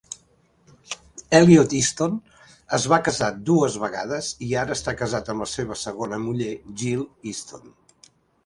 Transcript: Elliot Easton es va casar dues vegades, i ara està casat amb la seva segona muller, Jill Easton.